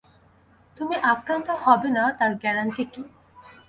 তুমি আক্রান্ত হবে না তার গ্যারান্টি কী?